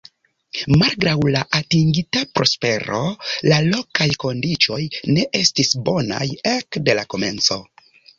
Malgraŭ la atingita prospero, la lokaj kondiĉoj ne estis bonaj ekde la komenco.